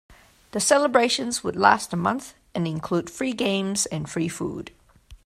The celebrations would last a month and include free games and free food.